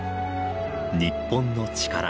『日本のチカラ』